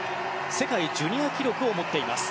世界ジュニア記録を持っています。